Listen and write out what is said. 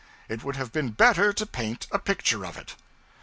It would have been better to paint a picture of it.